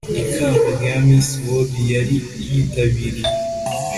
ikamba rya miss world yari yitabiriye